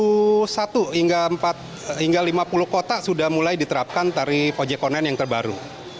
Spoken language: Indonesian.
empat puluh satu hingga lima puluh kota sudah mulai diterapkan tarif ojek online yang terbaru